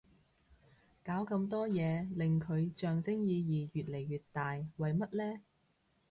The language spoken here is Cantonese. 搞咁多嘢令佢象徵意義越嚟越大為乜呢